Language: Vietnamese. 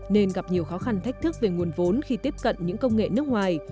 nên gặp nhiều khó khăn thách thức về nguồn vốn khi tiếp cận những công nghệ nước ngoài